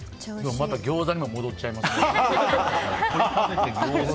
また、ぎょうざにも戻っちゃいますね。